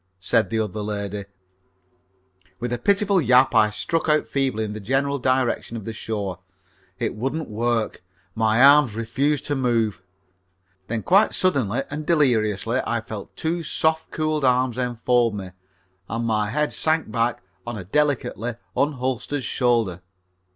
said the other lady. With a pitiful yap I struck out feebly in the general direction of the shore. It wouldn't work. My arms refused to move. Then quite suddenly and deliriously I felt two soft, cool arms enfold me, and my head sank back on a delicately unholstered shoulder.